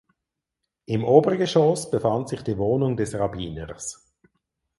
Im Obergeschoss befand sich die Wohnung des Rabbiners.